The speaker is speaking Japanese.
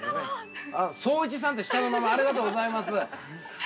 創一さんって下の名前、ありがとうございます。